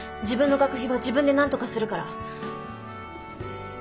自分の学費は自分でなんとかするから。